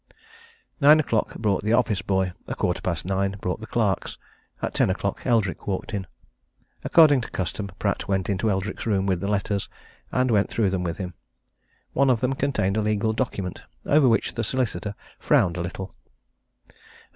Nine o'clock brought the office boy; a quarter past nine brought the clerks; at ten o'clock Eldrick walked in. According to custom, Pratt went into Eldrick's room with the letters, and went through them with him. One of them contained a legal document over which the solicitor frowned a little.